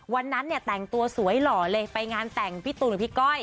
วันนั้นเนี่ยแต่งตัวสวยหล่อเลยไปงานแต่งพี่ตูนหรือพี่ก้อย